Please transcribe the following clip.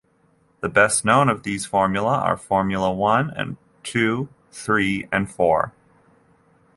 The best known of these formulae are Formula One, Two, Three and Four.